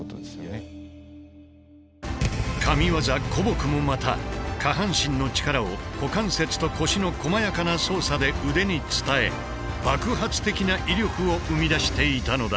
撲もまた下半身の力を股関節と腰のこまやかな操作で腕に伝え爆発的な威力を生み出していたのだ。